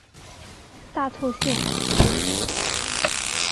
大凑线。